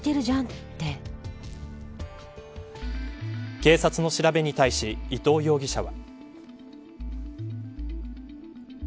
警察の調べに対し伊藤容疑者は。